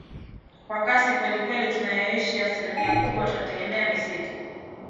kwa kasi kwelikweli tunayoishi asilimia kubwa tunategemea misitu